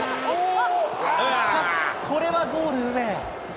しかし、これはゴール上。